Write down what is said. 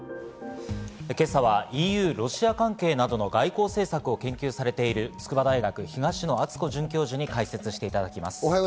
今朝はＥＵ、ロシア関係などの外交政策を研究されている筑波大学・東野篤子准教授に解説していただきます。